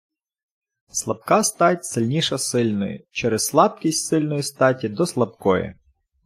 Слабка стать сильніша сильної, через слабкість сильної статі до слабкої!